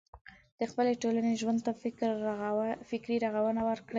د خپلې ټولنې ژوند ته فکري روغونه ورکړي.